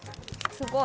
すごい。